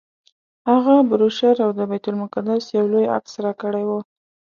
هغه بروشر او د بیت المقدس یو لوی عکس راکړی و.